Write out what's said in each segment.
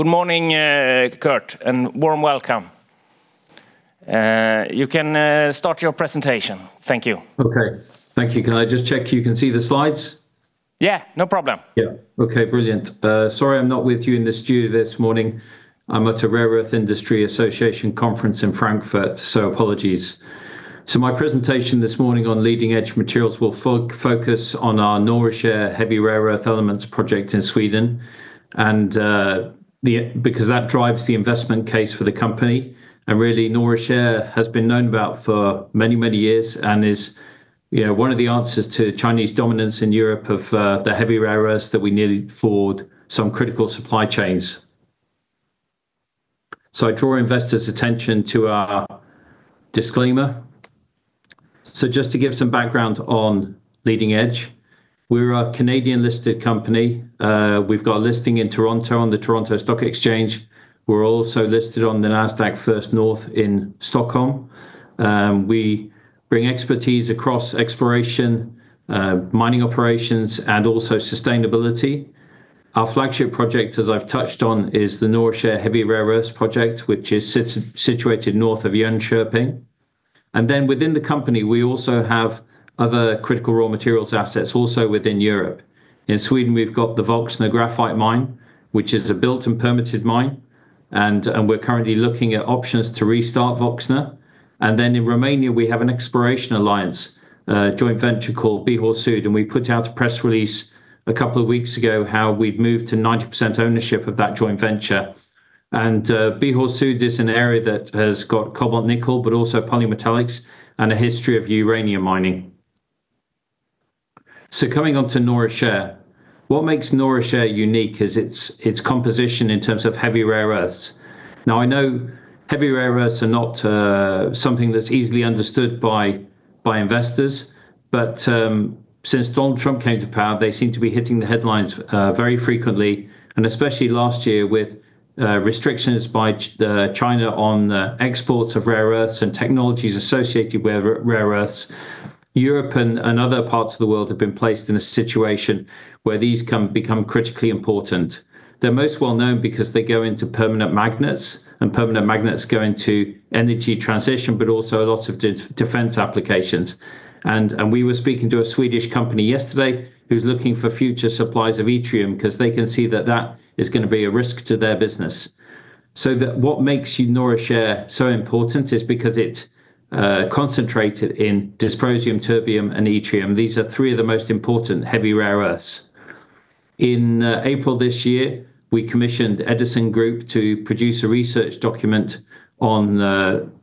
Good morning, Kurt, and warm welcome. You can start your presentation. Thank you. Okay. Thank you. Can I just check you can see the slides? Yeah, no problem. Yeah. Okay, brilliant. Sorry I'm not with you in the studio this morning. I'm at a Rare Earth Industry Association conference in Frankfurt, apologies. My presentation this morning on Leading Edge Materials will focus on our Norra Kärr heavy rare earth elements project in Sweden, because that drives the investment case for the company. Really, Norra Kärr has been known about for many, many years and is one of the answers to Chinese dominance in Europe of the heavy rare earths that we need for some critical supply chains. I draw investors' attention to our disclaimer. Just to give some background on Leading Edge. We're a Canadian-listed company. We've got a listing in Toronto on the Toronto Stock Exchange. We're also listed on the Nasdaq First North in Stockholm. We bring expertise across exploration, mining operations, and also sustainability. Our flagship project, as I've touched on, is the Norra Kärr Heavy Rare Earths Project, which is situated North of Jönköping. Then within the company, we also have other critical raw materials assets also within Europe. In Sweden, we've got the Woxna Graphite mine, which is a built and permitted mine, and we're currently looking at options to restart Woxna. Then in Romania, we have an exploration alliance joint venture called Bihor Sud, and we put out a press release a couple of weeks ago how we'd moved to 90% ownership of that joint venture. Bihor Sud is an area that has got cobalt, nickel, but also polymetallics, and a history of uranium mining. Coming onto Norra Kärr. What makes Norra Kärr unique is its composition in terms of heavy rare earths. Now I know heavy rare earths are not something that's easily understood by investors, but since Donald Trump came to power, they seem to be hitting the headlines very frequently, especially last year with restrictions by China on exports of rare earths and technologies associated with rare earths. Europe and other parts of the world have been placed in a situation where these become critically important. They're most well known because they go into permanent magnets, and permanent magnets go into energy transition, but also a lot of defense applications. We were speaking to a Swedish company yesterday who's looking for future supplies of yttrium because they can see that that is going to be a risk to their business. What makes Norra Kärr so important is because it's concentrated in dysprosium, terbium, and yttrium. These are three of the most important heavy rare earths. In April this year, we commissioned Edison Group to produce a research document on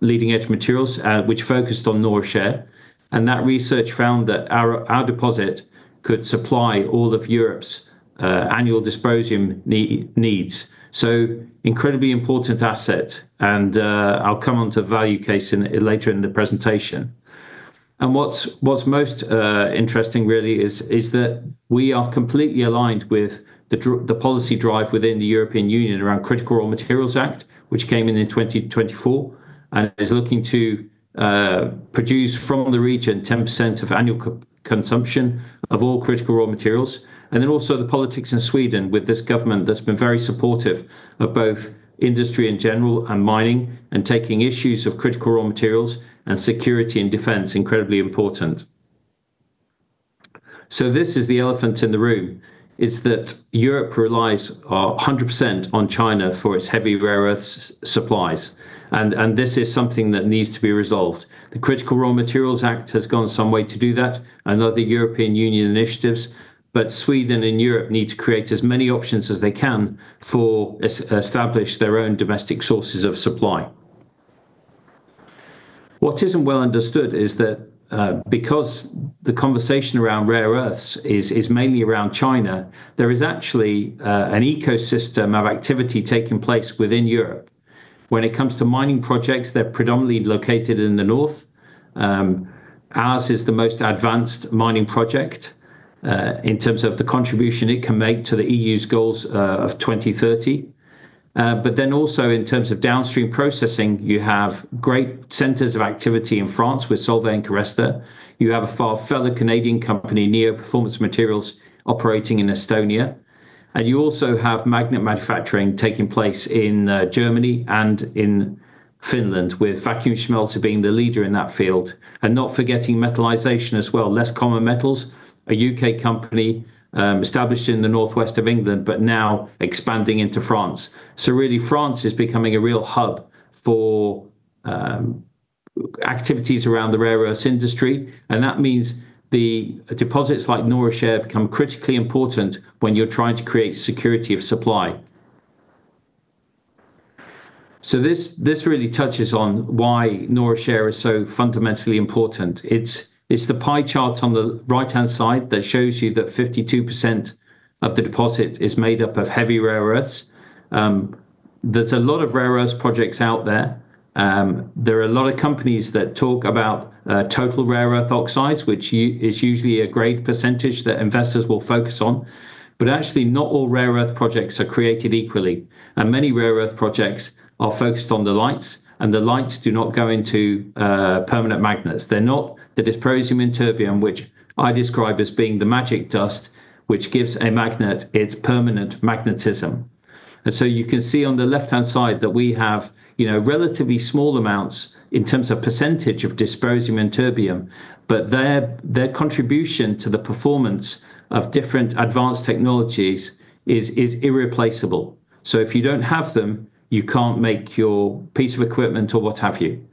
Leading Edge Materials, which focused on Norra Kärr, and that research found that our deposit could supply all of Europe's annual dysprosium needs. So incredibly important asset, and I'll come onto value case later in the presentation. What's most interesting really is that we are completely aligned with the policy drive within the European Union around Critical Raw Materials Act, which came in in 2024, and is looking to produce from the region 10% of annual consumption of all critical raw materials. Then also the politics in Sweden with this government that's been very supportive of both industry in general and mining, and taking issues of critical raw materials and security and defense incredibly important. This is the elephant in the room, is that Europe relies 100% on China for its heavy rare earths supplies, and this is something that needs to be resolved. The Critical Raw Materials Act has gone some way to do that, and other European Union initiatives, but Sweden and Europe need to create as many options as they can for establish their own domestic sources of supply. What isn't well understood is that because the conversation around rare earths is mainly around China, there is actually an ecosystem of activity taking place within Europe. When it comes to mining projects, they're predominantly located in the north. Ours is the most advanced mining project, in terms of the contribution it can make to the EU's goals of 2030. Then also in terms of downstream processing, you have great centers of activity in France with Solvay and Carester. You have our fellow Canadian company, Neo Performance Materials, operating in Estonia. You also have magnet manufacturing taking place in Germany and in Finland, with Vacuumschmelze being the leader in that field. Not forgetting metallization as well. Less Common Metals, a U.K. company established in the northwest of England, but now expanding into France. Really France is becoming a real hub for activities around the rare earths industry, and that means the deposits like Norra Kärr become critically important when you are trying to create security of supply. This really touches on why Norra Kärr is so fundamentally important. It's the pie chart on the right-hand side that shows you that 52% of the deposit is made up of heavy rare earths. There's a lot of rare earths projects out there. There are a lot of companies that talk about total rare earth oxides, which is usually a great percentage that investors will focus on. Actually, not all rare earth projects are created equally, many rare earth projects are focused on the lights, and the lights do not go into permanent magnets. They're not the dysprosium and terbium which I describe as being the magic dust which gives a magnet its permanent magnetism. You can see on the left-hand side that we have relatively small amounts in terms of percentage of dysprosium and terbium, but their contribution to the performance of different advanced technologies is irreplaceable. If you don't have them, you can't make your piece of equipment or what have you.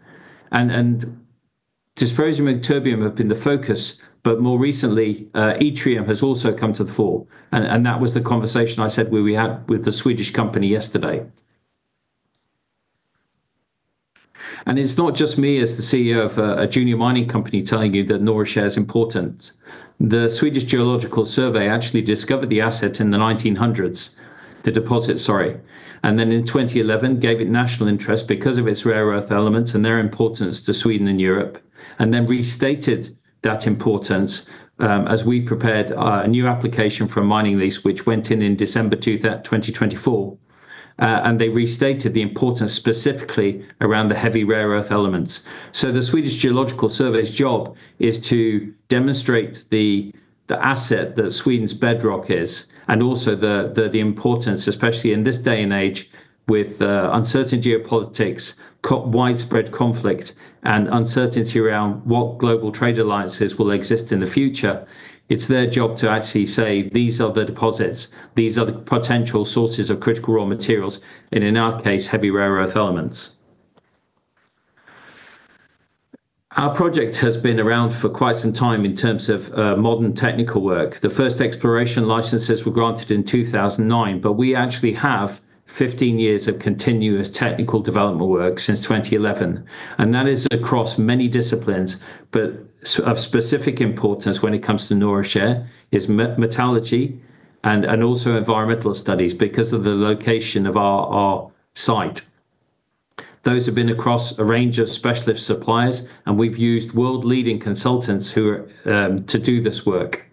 Dysprosium and terbium have been the focus, more recently, yttrium has also come to the fore, that was the conversation I said we had with the Swedish company yesterday. It's not just me as the Chief Executive Officer of a junior mining company telling you that Norra Kärr is important. The Swedish Geological Survey actually discovered the deposit in the 1900s. In 2011, gave it national interest because of its rare earth elements and their importance to Sweden and Europe, restated that importance as we prepared a new application for a mining lease, which went in in December 2024. They restated the importance specifically around the heavy rare earth elements. The Swedish Geological Survey's job is to demonstrate the asset that Sweden's bedrock is and also the importance, especially in this day and age with uncertain geopolitics, widespread conflict, and uncertainty around what global trade alliances will exist in the future. It's their job to actually say, "These are the deposits. These are the potential sources of critical raw materials," and in our case, heavy rare earth elements. Our project has been around for quite some time in terms of modern technical work. The first exploration licenses were granted in 2009, we actually have 15 years of continuous technical development work since 2011, that is across many disciplines. Of specific importance when it comes to Norra Kärr is metallurgy and also environmental studies because of the location of our site. Those have been across a range of specialist suppliers. We've used world-leading consultants to do this work.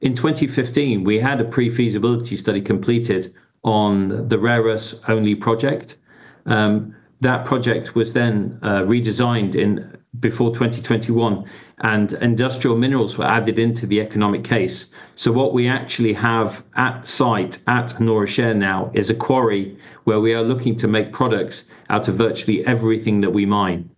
In 2015, we had a pre-feasibility study completed on the rare earths-only project. That project was then redesigned before 2021, industrial minerals were added into the economic case. What we actually have at site at Norra Kärr now is a quarry where we are looking to make products out of virtually everything that we mine.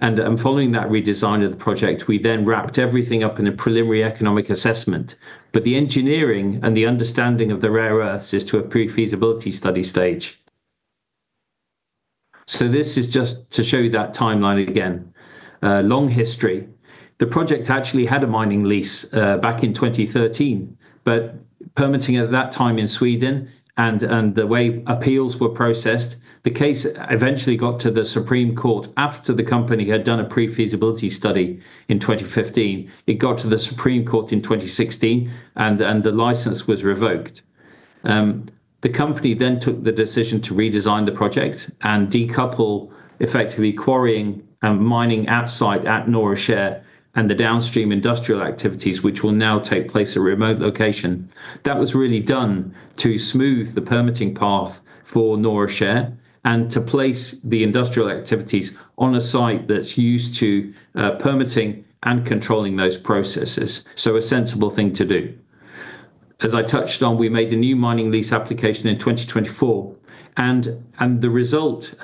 Following that redesign of the project, we then wrapped everything up in a preliminary economic assessment. The engineering and the understanding of the rare earths is to a pre-feasibility study stage. This is just to show you that timeline again. Long history. The project actually had a mining lease back in 2013. Permitting at that time in Sweden and the way appeals were processed, the case eventually got to the Supreme Court after the company had done a pre-feasibility study in 2015. It got to the Supreme Court in 2016 and the license was revoked. The company then took the decision to redesign the project and decouple effectively quarrying and mining outside at Norra Kärr and the downstream industrial activities, which will now take place at a remote location. That was really done to smooth the permitting path for Norra Kärr and to place the industrial activities on a site that's used to permitting and controlling those processes. A sensible thing to do. As I touched on, we made a new mining lease application in 2024. The result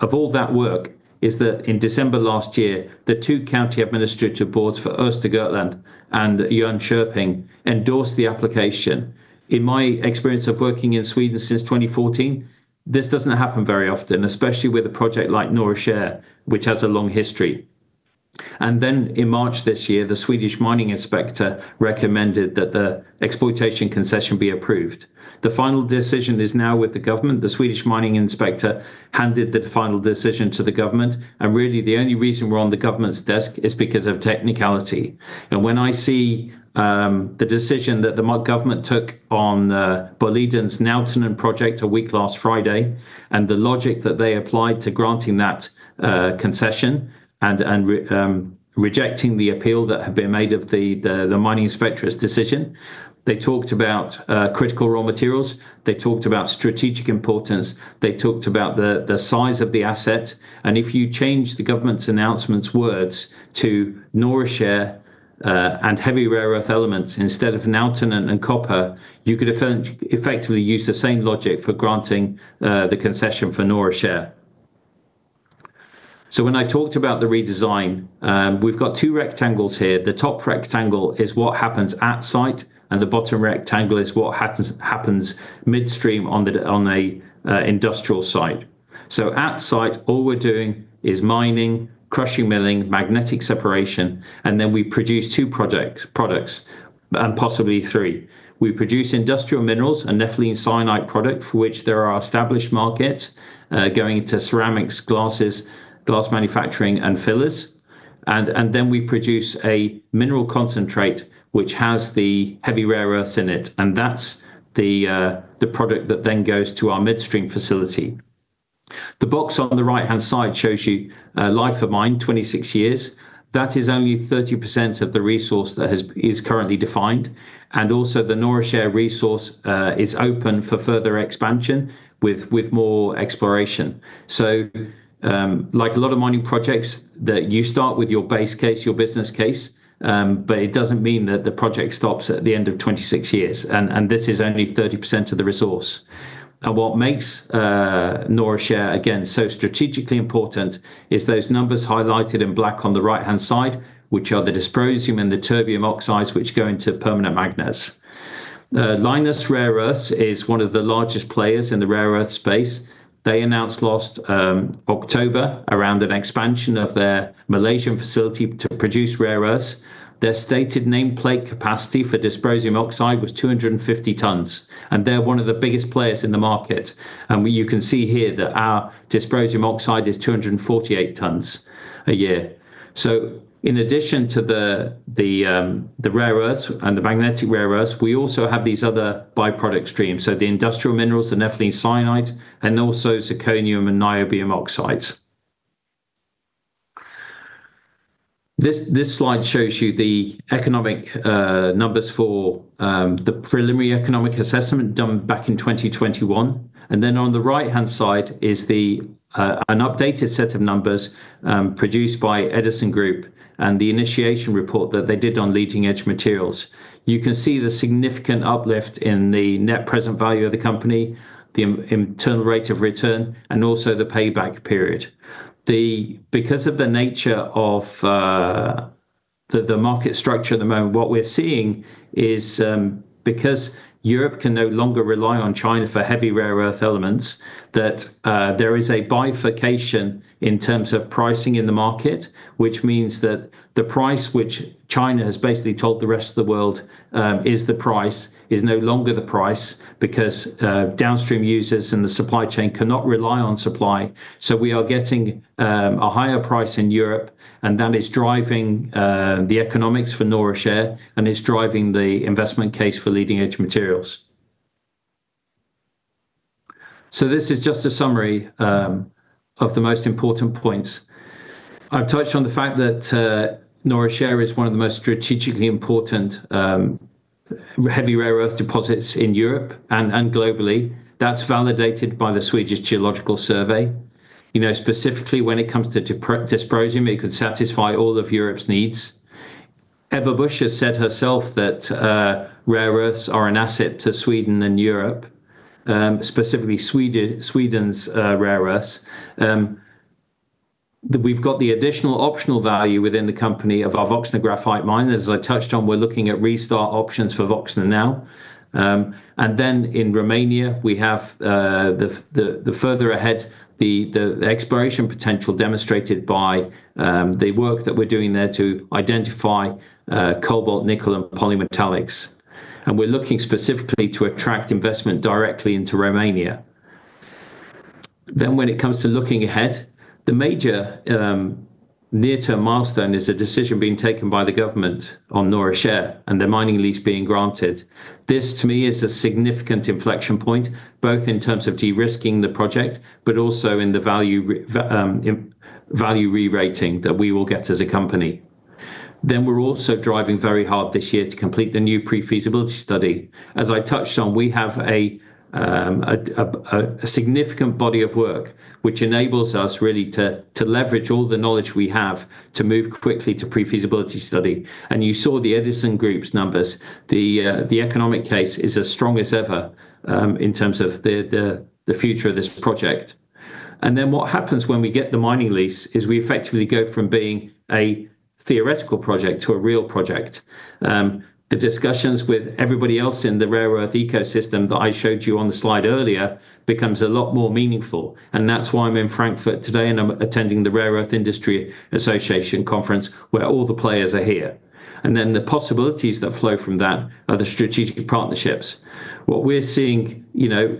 of all that work is that in December last year, the two county administrative boards for Östergötland and Jönköping endorsed the application. In my experience of working in Sweden since 2014, this doesn't happen very often, especially with a project like Norra Kärr, which has a long history. Then in March this year, the Swedish Mining Inspector recommended that the exploitation concession be approved. The final decision is now with the government. The Swedish Mining Inspector handed the final decision to the government, really the only reason we're on the government's desk is because of technicality. When I see the decision that the government took on Boliden's Nautanen project a week last Friday, the logic that they applied to granting that concession and rejecting the appeal that had been made of the Mining Inspector's decision. They talked about critical raw materials. They talked about strategic importance. They talked about the size of the asset. If you change the government's announcement words to Norra Kärr and heavy rare earth elements instead of Nautanen and copper, you could effectively use the same logic for granting the concession for Norra Kärr. When I talked about the redesign, we've got two rectangles here. The top rectangle is what happens at site, the bottom rectangle is what happens midstream on a industrial site. At site, all we're doing is mining, crushing, milling, magnetic separation. Then we produce two products, possibly three. We produce industrial minerals and nepheline syenite product for which there are established markets, going into ceramics, glasses, glass manufacturing, and fillers. We produce a mineral concentrate, which has the heavy rare earths in it, and that's the product that then goes to our midstream facility. The box on the right-hand side shows you a life of mine, 26 years. That is only 30% of the resource that is currently defined. The Norra Kärr resource is open for further expansion with more exploration. Like a lot of mining projects, that you start with your base case, your business case, but it doesn't mean that the project stops at the end of 26 years. This is only 30% of the resource. What makes Norra Kärr, again, so strategically important is those numbers highlighted in black on the right-hand side, which are the dysprosium and the terbium oxides, which go into permanent magnets. Lynas Rare Earths is one of the largest players in the rare earth space. They announced last October around an expansion of their Malaysian facility to produce rare earths. Their stated nameplate capacity for dysprosium oxide was 250 tons, and they're one of the biggest players in the market. You can see here that our dysprosium oxide is 248 tons a year. In addition to the rare earths and the magnetic rare earths, we also have these other by-product streams. The industrial minerals, the nepheline syenite, and also zirconium and niobium oxides. This slide shows you the economic numbers for the preliminary economic assessment done back in 2021. On the right-hand side is an updated set of numbers produced by Edison Group and the initiation report that they did on Leading Edge Materials. You can see the significant uplift in the net present value of the company, the internal rate of return, and also the payback period. Because of the nature of the market structure at the moment, what we're seeing is because Europe can no longer rely on China for heavy rare earth elements, that there is a bifurcation in terms of pricing in the market. This means that the price which China has basically told the rest of the world is the price, is no longer the price because downstream users in the supply chain cannot rely on supply. We are getting a higher price in Europe, and that is driving the economics for Norra Kärr, and it's driving the investment case for Leading Edge Materials. This is just a summary of the most important points. I've touched on the fact that Norra Kärr is one of the most strategically important heavy rare earth deposits in Europe and globally. That's validated by the Geological Survey of Sweden. Specifically when it comes to dysprosium, it could satisfy all of Europe's needs. Ebba Busch has said herself that rare earths are an asset to Sweden and Europe, specifically Sweden's rare earths. We've got the additional optional value within the company of our Woxna graphite mine. As I touched on, we're looking at restart options for Woxna now. In Romania, we have, further ahead, the exploration potential demonstrated by the work that we're doing there to identify cobalt, nickel, and polymetallics. We're looking specifically to attract investment directly into Romania. When it comes to looking ahead, the major near-term milestone is a decision being taken by the government on Norra Kärr and the mining lease being granted. This, to me, is a significant inflection point, both in terms of de-risking the project, but also in the value re-rating that we will get as a company. We're also driving very hard this year to complete the new pre-feasibility study. As I touched on, we have a significant body of work which enables us really to leverage all the knowledge we have to move quickly to pre-feasibility study. You saw the Edison Group's numbers. The economic case is as strong as ever in terms of the future of this project. What happens when we get the mining lease is we effectively go from being a theoretical project to a real project. The discussions with everybody else in the rare earth ecosystem that I showed you on the slide earlier becomes a lot more meaningful. That's why I'm in Frankfurt today, and I'm attending the Rare Earth Industry Association Conference where all the players are here. The possibilities that flow from that are the strategic partnerships. What we're seeing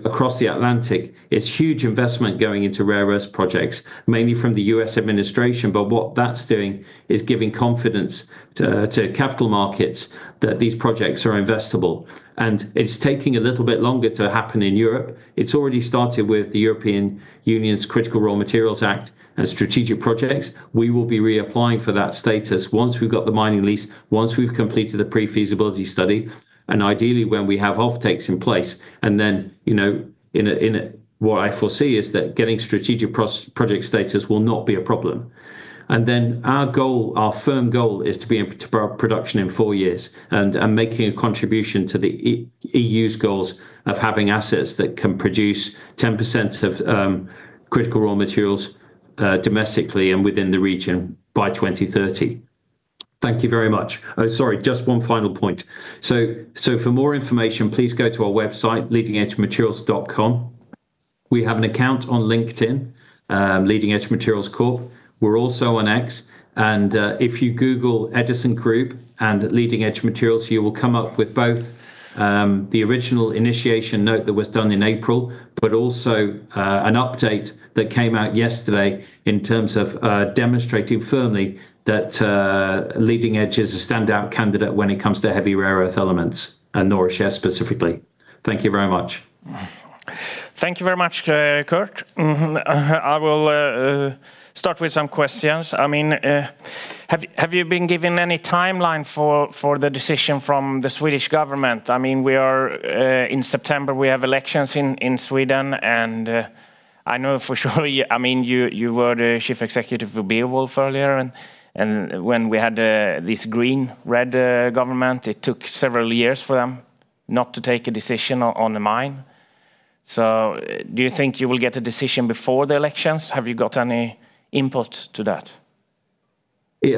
across the Atlantic is huge investment going into rare earths projects, mainly from the U.S. administration. What that's doing is giving confidence to capital markets that these projects are investable, and it's taking a little bit longer to happen in Europe. It's already started with the European Union's Critical Raw Materials Act and strategic projects. We will be reapplying for that status once we've got the mining lease, once we've completed a pre-feasibility study, and ideally when we have offtakes in place. What I foresee is that getting strategic project status will not be a problem. Our firm goal is to be up to production in four years and making a contribution to the EU's goals of having assets that can produce 10% of critical raw materials domestically and within the region by 2030. Thank you very much. Oh, sorry, just one final point. For more information, please go to our website leadingedgematerials.com. We have an account on LinkedIn, Leading Edge Materials Corp. We're also on X, if you Google Edison Group and Leading Edge Materials, you will come up with both the original initiation note that was done in April, but also an update that came out yesterday in terms of demonstrating firmly that Leading Edge is a standout candidate when it comes to heavy rare earth elements, and Norra Kärr specifically. Thank you very much. Thank you very much, Kurt. I will start with some questions. Have you been given any timeline for the decision from the Swedish government? In September, we have elections in Sweden, I know for sure you were the chief executive of Beowulf earlier and when we had this green-red government, it took several years for them not to take a decision on the mine. Do you think you will get a decision before the elections? Have you got any input to that?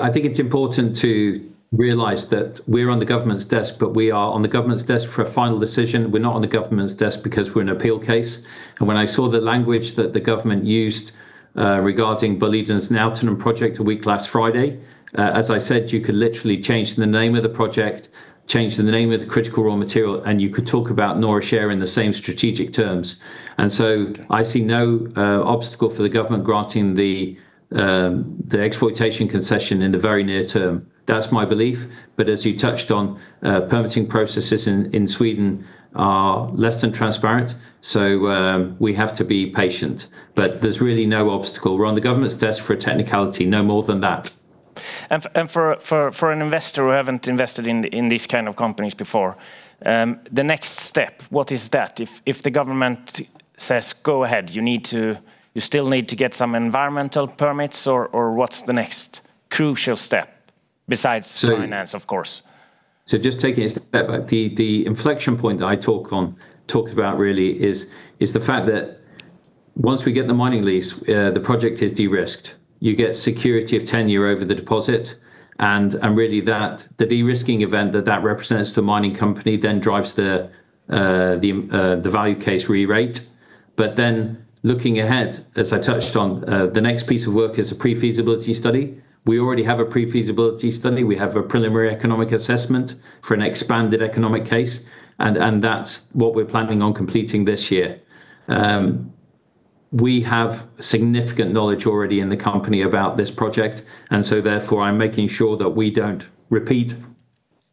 I think it's important to realize that we're on the government's desk, but we are on the government's desk for a final decision. We're not on the government's desk because we're an appeal case. When I saw the language that the government used regarding Boliden's Nautanen project a week last Friday, as I said, you could literally change the name of the project, change the name of the critical raw material, you could talk about Norra Kärr in the same strategic terms. I see no obstacle for the government granting the exploitation concession in the very near term. That's my belief. As you touched on, permitting processes in Sweden are less than transparent. We have to be patient. There's really no obstacle. We're on the government's desk for a technicality, no more than that. For an investor who hasn't invested in these kind of companies before, the next step, what is that? If the government says, "Go ahead," you still need to get some environmental permits or what's the next crucial step besides finance, of course? Just taking a step back, the inflection point that I talked about really is the fact that once we get the mining lease, the project is de-risked. You get security of tenure over the deposit, really the de-risking event that that represents to the mining company then drives the value case re-rate. Looking ahead, as I touched on, the next piece of work is a pre-feasibility study. We already have a pre-feasibility study. We have a preliminary economic assessment for an expanded economic case, that's what we're planning on completing this year. We have significant knowledge already in the company about this project, therefore I'm making sure that we don't repeat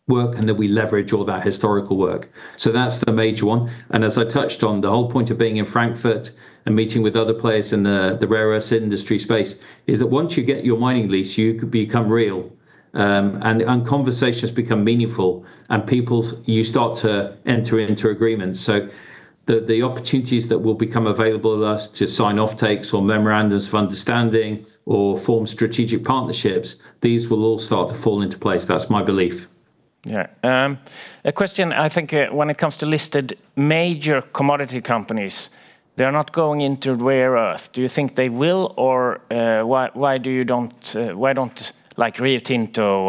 work and that we leverage all that historical work. That's the major one. As I touched on, the whole point of being in Frankfurt and meeting with other players in the rare earth industry space is that once you get your mining lease, you become real. Conversations become meaningful and you start to enter into agreements. The opportunities that will become available to us to sign off takes or memorandums of understanding or form strategic partnerships, these will all start to fall into place. That's my belief. Yeah. A question, I think when it comes to listed major commodity companies, they're not going into rare earth. Do you think they will or why don't Rio Tinto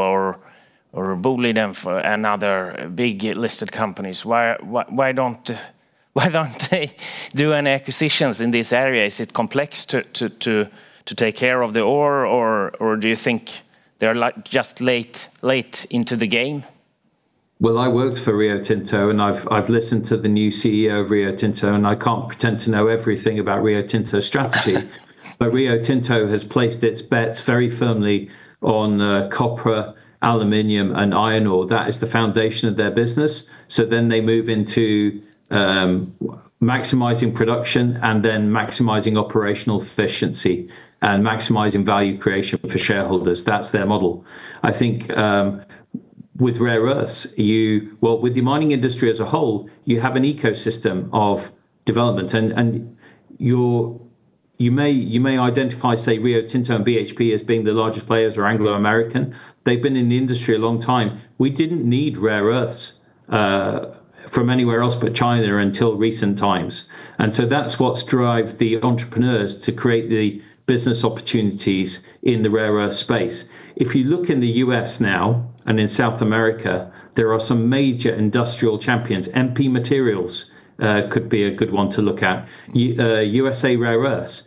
or Boliden and other big listed companies, why don't they do any acquisitions in this area? Is it complex to take care of the ore or do you think they're just late into the game? Well, I worked for Rio Tinto and I've listened to the new Chief Executive Officer of Rio Tinto and I can't pretend to know everything about Rio Tinto's strategy. Rio Tinto has placed its bets very firmly on copper, aluminum, and iron ore. That is the foundation of their business. They move into maximizing production and then maximizing operational efficiency and maximizing value creation for shareholders. That's their model. I think with rare earths, well, with the mining industry as a whole, you have an ecosystem of development and you may identify, say, Rio Tinto and BHP as being the largest players or Anglo American. They've been in the industry a long time. We didn't need rare earths from anywhere else but China until recent times. That's what's drived the entrepreneurs to create the business opportunities in the rare earth space. If you look in the U.S. now and in South America, there are some major industrial champions. MP Materials could be a good one to look at. USA Rare Earth.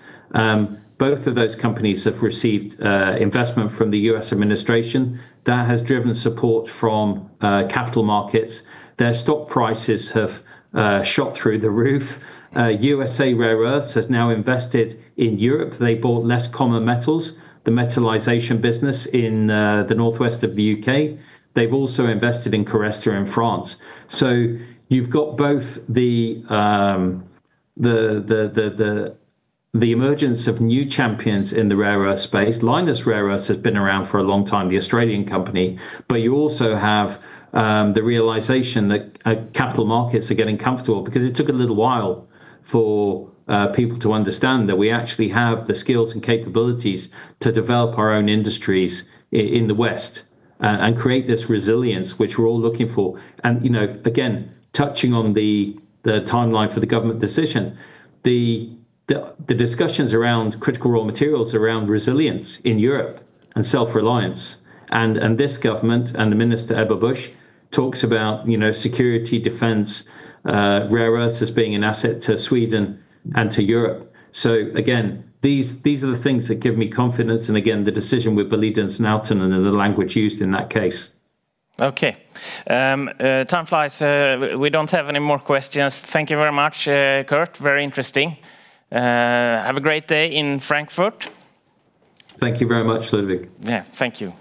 Both of those companies have received investment from the U.S. administration that has driven support from capital markets. Their stock prices have shot through the roof. USA Rare Earth has now invested in Europe. They bought Less Common Metals, the metallization business in the northwest of the U.K. They've also invested in Carester in France. You've got both the emergence of new champions in the rare earth space. Lynas Rare Earths has been around for a long time, the Australian company. You also have the realization that capital markets are getting comfortable because it took a little while for people to understand that we actually have the skills and capabilities to develop our own industries in the West and create this resilience which we're all looking for. Again, touching on the timeline for the government decision, the discussions around critical raw materials, around resilience in Europe and self-reliance and this government and the minister Ebba Busch talks about security defense, rare earths as being an asset to Sweden and to Europe. Again, these are the things that give me confidence and again the decision with Boliden's Nautanen and the language used in that case. Okay. Time flies. We don't have any more questions. Thank you very much, Kurt. Very interesting. Have a great day in Frankfurt. Thank you very much, Carl-Henrik. Yeah. Thank you.